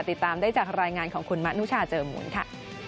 ติดตามได้จากรายงานของคุณมะนุชาเจอมูลค่ะ